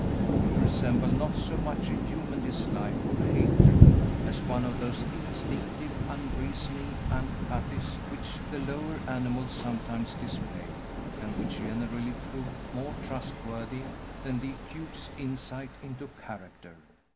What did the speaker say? It resembled not so much a human dislike or hatred, as one of those instinctive, unreasoning antipathies which the lower animals sometimes display, and which generally prove more trustworthy than the acutest insight into character.